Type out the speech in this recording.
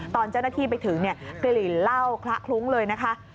ตอนเจ้าหน้าที่ไปถึงกลิ่นเหล้าคละคลุ้งเลยนะคะ